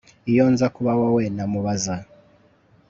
Iyo nza kuba wowe namubaza